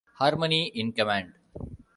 Harmony in command.